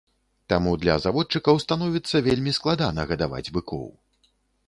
Таму для заводчыкаў становіцца вельмі складана гадаваць быкоў.